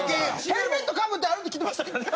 ヘルメットかぶって歩いてきてましたからね。